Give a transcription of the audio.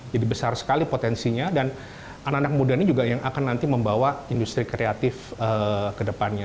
jadi besar sekali potensinya dan anak anak muda ini juga yang akan nanti membawa industri kreatif ke depannya